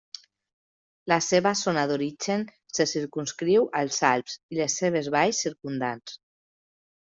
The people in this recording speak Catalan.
La seva zona d'origen se circumscriu als Alps i les seves valls circumdants.